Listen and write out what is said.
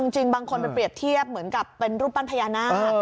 จริงบางคนไปเปรียบเทียบเหมือนกับเป็นรูปปั้นพญานาค